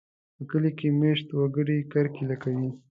په کلي کې مېشت وګړي کرکېله کوي.